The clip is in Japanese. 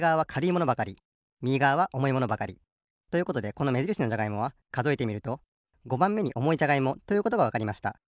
ものばかりみぎがわはおもいものばかり。ということでこのめじるしのじゃがいもはかぞえてみると５ばんめにおもいじゃがいもということがわかりました。